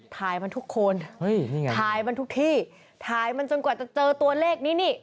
ถ่ายมันทุกคนถ่ายมันทุกที่ถ่ายมันจนกว่าจะเจอตัวเลขนี้นี่